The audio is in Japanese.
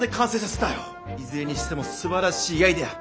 いずれにしてもすばらしいアイデア。